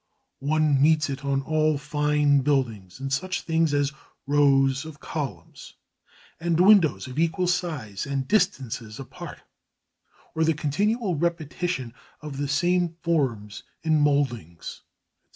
One meets it on all fine buildings in such things as rows of columns and windows of equal size and distances apart, or the continual repetition of the same forms in mouldings, &c.